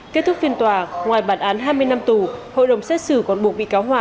kết thúc phiên tòa ngoài bản án hai mươi năm tù hội đồng xét xử còn buộc bị cáo hòa